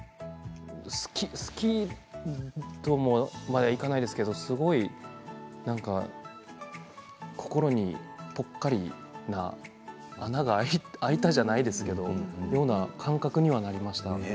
好きとまでいかないですけれど心にぽっかりと穴が開いたじゃないですけれどそんな感覚には、なりました。